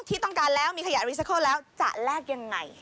ที่ต้องการแล้วมีขยะรีไซเคิลแล้วจะแลกยังไง